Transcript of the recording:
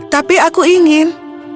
tapi aku ingin